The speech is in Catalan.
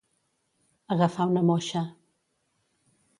Agafar una moixa.